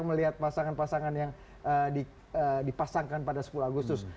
melihat pasangan pasangan yang dipasangkan pada sepuluh agustus